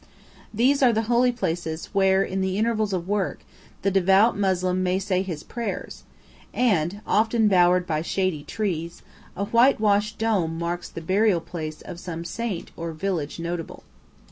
These are the holy places where in the intervals of work the devout Moslem may say his prayers; and, often bowered by shady trees, a whitewashed dome marks the burial place of some saint or village notable.